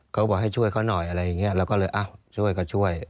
เขาบอกให้ช่วยเขาหน่อยอะไรอย่างนี้เราก็เลยอ้าวช่วยก็ช่วย